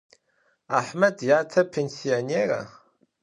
Ahmed yate pênsionêra?